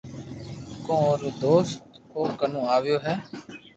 ڪو اورو دوست او ڪنو آويو ھي